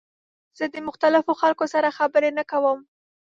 زه د مختلفو خلکو سره خبرې نه کوم.